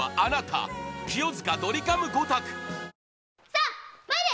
さあ参れ！